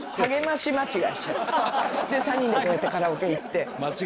で３人でこうやってカラオケ行って。